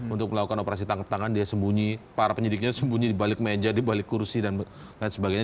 untuk melakukan operasi tangkap tangan dia sembunyi para penyidiknya sembunyi di balik meja di balik kursi dan lain sebagainya